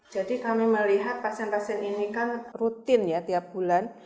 jadi kami melihat pasien pasien ini kan rutin ya tiap bulan